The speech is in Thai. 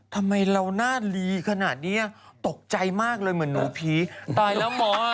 เท่านี้เจนที่ต่างงานแล้ว